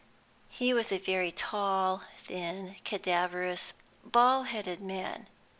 He was a very tall, thin, cadaverous, bald headed man.